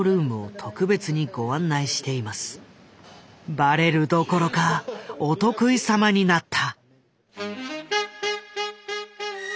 ばれるどころかお得意様になった。